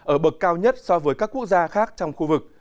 ở bậc cao nhất so với các quốc gia khác trong khu vực